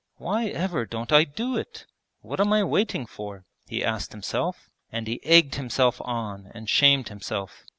'Why ever don't I do it? What am I waiting for?' he asked himself, and he egged himself on and shamed himself.